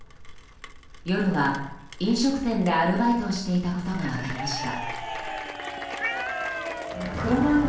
夜は、飲食店でアルバイトをしていたことが分かりました。